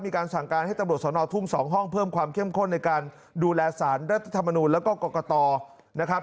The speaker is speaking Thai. มีการสั่งการให้ตำรวจสนทุ่ง๒ห้องเพิ่มความเข้มข้นในการดูแลสารรัฐธรรมนูลแล้วก็กรกตนะครับ